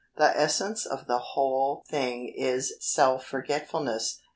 The essence of the whole thing is self forgetfulness.